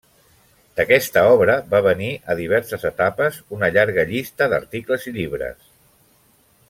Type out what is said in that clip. D'aquesta obra va venir, a diverses etapes, una llarga llista d'articles i llibres.